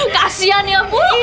kasian ya bu